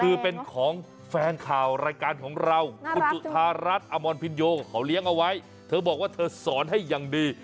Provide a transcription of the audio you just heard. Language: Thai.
คือเป็นของแฟนข่าวรายการของเราคุณจุธารัฐอมรพินโยเขาเลี้ยงเอาไว้เธอบอกว่าเธอสอนให้อย่างดี